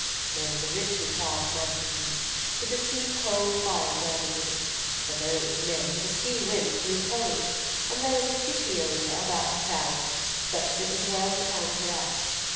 There was a richly carved mantel piece, with a sea coal fire burning in it, for though it was May, the sea winds blew cold, and there was a fishy odour about the town, such as it was well to counteract.